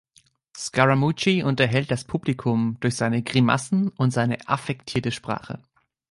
Scaramouche unterhält das Publikum durch seine „Grimassen und seine affektierte Sprache“.